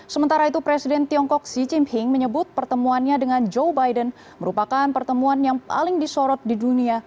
sementara itu presiden tiongkok xi jinping menyebut pertemuannya dengan joe biden merupakan pertemuan yang paling disorot di dunia